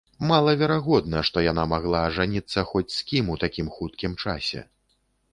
Малаверагодна, што яна магла ажаніцца хоць з кім у такім хуткім часе.